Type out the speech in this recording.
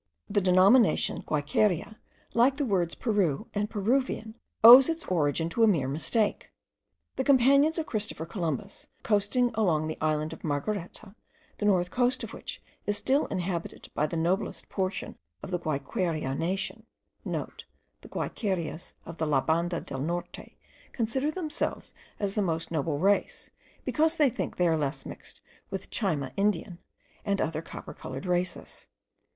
The denomination Guayqueria, like the words Peru and Peruvian, owes its origin to a mere mistake. The companions of Christopher Columbus, coasting along the island of Margareta, the northern coast of which is still inhabited by the noblest portion of the Guayqueria nation,* (* The Guayquerias of La Banda del Norte consider themselves as the most noble race, because they think they are less mixed with the Chayma Indian, and other copper coloured races.